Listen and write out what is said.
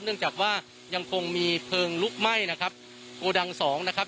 เนื่องจากว่ายังคงมีเพลิงลุกไหม้นะครับโกดังสองนะครับ